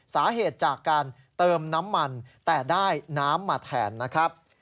สาเหตุจากการเติมน้ำมันแต่ได้น้ำมาแทนนะครับ